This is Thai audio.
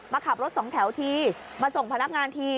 ขับรถสองแถวทีมาส่งพนักงานที